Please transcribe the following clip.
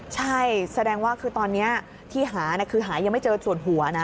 ใช่แสดงว่าคือตอนนี้ที่หาคือหายังไม่เจอส่วนหัวนะ